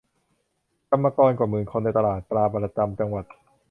กรรมกรกว่าหมื่นคนในตลาดปลาประจำจังหวัด